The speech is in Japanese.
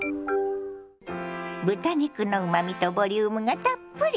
豚肉のうまみとボリュームがたっぷり。